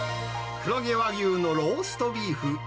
黒毛和牛のローストビーフ。